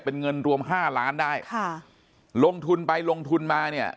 เป็นเงินรวมห้าล้านได้ค่ะลงทุนไปลงทุนมาเนี่ย